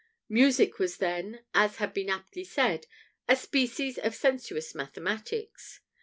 Music was then, as has been aptly said, a species of "sensuous mathematics."